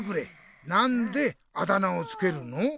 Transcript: なんであだ名をつけるの？